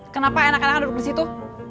kenapa enak enak duduk disitu